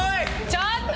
ちょっと！